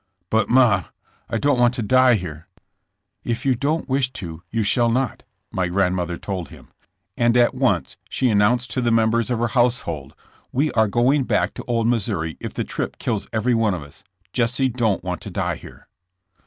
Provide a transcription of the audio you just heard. "But, ma, I don't want to die here." *' If you don 't wish to you shall not, '' my grand mother told him, and at once she announced to the members of her household: "We are going back to old Missouri if the trip kills every one of us. Jesse don't want to die here."